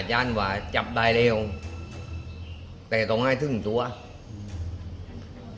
จนจะแล้วแต่ต้องให้ทรุนตัว